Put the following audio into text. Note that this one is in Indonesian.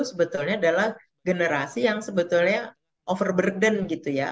sebetulnya adalah generasi yang sebetulnya overburden gitu ya